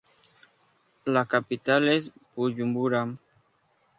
La capital es Buyumbura.